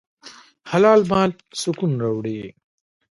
حلال مال سکون راوړي.